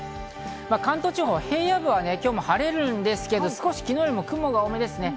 関東地方は平野部は今日も晴れるんですけど少し昨日より雲が多めです。